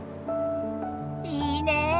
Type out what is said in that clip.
いいねぇ。